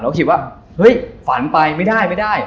คิดว่าเฮ้ยฝันไปไม่ได้ไม่ได้